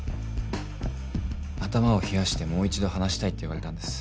頭を冷やしてもう一度話したいって言われたんです。